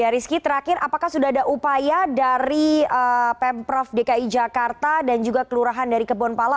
rizky terakhir apakah sudah ada upaya dari pemprov dki jakarta dan juga kelurahan dari kebonpala